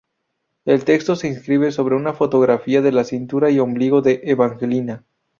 El texto se inscribe sobre una fotografía de la cintura y ombligo de Evangelina.